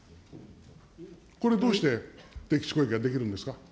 これ、どうして敵基地攻撃ができるんですか。